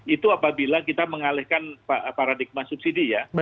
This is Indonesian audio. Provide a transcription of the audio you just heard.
itu apabila kita mengalihkan paradigma subsidi ya